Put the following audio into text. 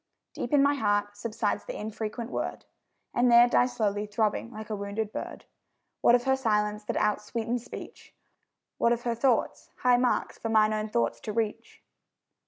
Deep in my heart subsides the infrequent word, And there dies slowly throbbing like a wounded bird. What of her silence, that outsweetens speech? What of her thoughts, high marks for mine own thoughts to reach?